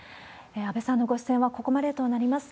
安倍さんのご出演はここまでとなります。